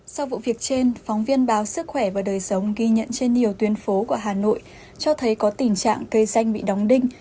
sau vụ việc trên phóng viên báo sức khỏe và đời sống ghi nhận trên nhiều tuyến phố của hà nội cho thấy có tình trạng cây xanh bị đóng đinh